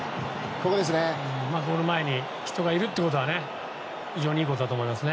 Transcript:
ゴール前に人がいるということは非常にいいことだと思いますね。